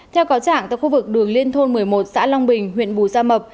theo cáo trạng tại khu vực đường liên thôn một mươi một xã long bình huyện bù gia mập